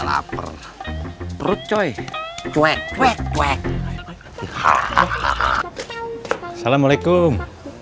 lapar perut coy cuek cuek cuek ha hahaha assalamualaikum